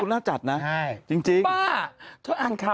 คุณน่าจะจัดนะ